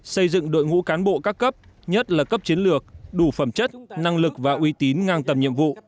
xây dựng đội ngũ cán bộ các cấp nhất là cấp chiến lược đủ phẩm chất năng lực và uy tín ngang tầm nhiệm vụ